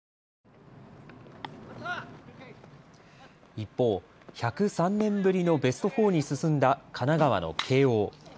一方、１０３年ぶりのベスト４に進んだ神奈川の慶応。